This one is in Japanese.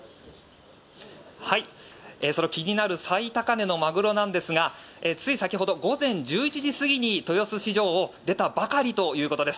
その気になる最高値のマグロなんですがつい先ほど、午前１１時過ぎに豊洲市場を出たばかりということです。